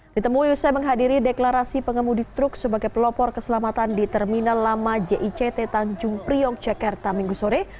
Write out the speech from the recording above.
ditemu yusuf menghadiri deklarasi pengemudik truk sebagai pelopor keselamatan di terminal lama jict tanjung priok cekerta minggu sore